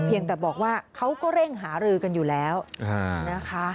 ยังแต่บอกว่าเขาก็เร่งหารือกันอยู่แล้วนะคะ